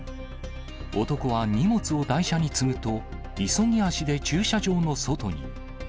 男は荷物を台車に積むと、急ぎ足で駐車場の外に。